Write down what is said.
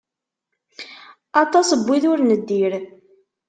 Aṭas n wid ur neddir.